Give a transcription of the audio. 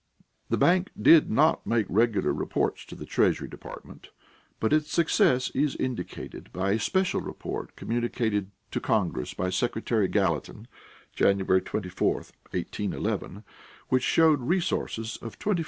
The bank did not make regular reports to the Treasury Department, but its success is indicated by a special report communicated to Congress by Secretary Gallatin (January 24, 1811), which showed resources of $24,183,046.